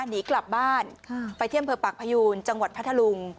หนีกลับบ้านไปที่อำเภอปากพยูนจังหวัดพัทธลุง